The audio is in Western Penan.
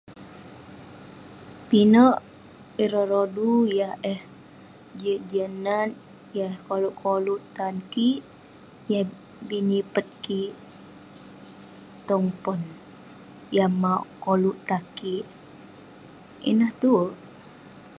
Pinek ireh rodu yah eh jiak, jiak nat..yah koluk, koluk tan kik..yah bi nipet kik..tong pon. Yah mauk koluk tan kik, ineh tuwerk..